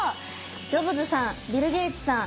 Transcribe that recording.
ジョブズさんビル・ゲイツさん。